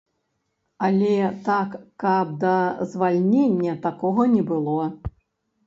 Але так, каб да звальнення, такога не было.